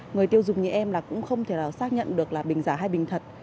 người tiêu dùng như em là cũng không thể nào xác nhận được là bình giả hai bình thật